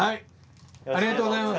ありがとうございます。